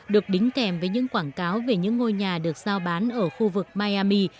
được đính kèm với những quảng cáo về những ngôi nhà được giao bán ở khu vực mayami